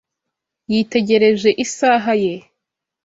Yitegereje isaha ye